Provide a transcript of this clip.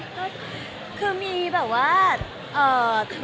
ก็คือมีแบบว่า